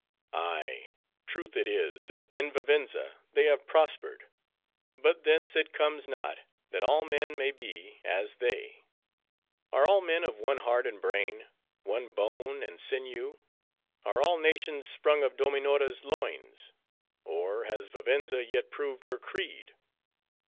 "Ay, truth it is, that in Vivenza they have prospered. But thence it comes not, that all men may be as they. Are all men of one heart and brain; one bone and sinew? Are all nations sprung of Dominora's loins? Or, has Vivenza yet proved her creed?